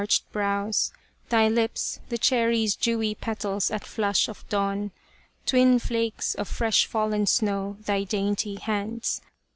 123 The Lady of the Picture Thy lips the cherry's dewy petals at flush of dawn : Twin flakes of fresh fallen snow thy dainty hands.